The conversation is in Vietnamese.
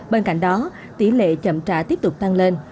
bên cạnh đó tỷ lệ chậm trả tiếp tục tăng lên